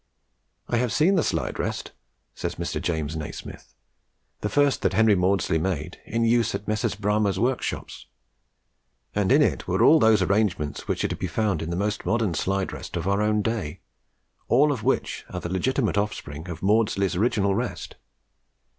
"I have seen the slide rest," says Mr. James Nasmyth, "the first that Henry Maudslay made, in use at Messrs. Bramah's workshops, and in it were all those arrangements which are to be found in the most modern slide rest of our own day, all of which are the legitimate offspring of Maudslay's original rest.